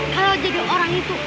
kalo jadi orang itu